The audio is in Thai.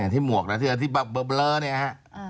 ที่บวกเนี้ย